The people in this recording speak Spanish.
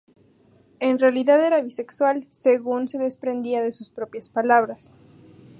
En realidad era bisexual, según se desprendía de sus propias palabras.